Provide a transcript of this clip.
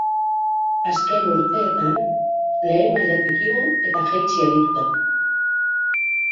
Azken urteetan lehen mailatik igo eta jaitsi aritu da.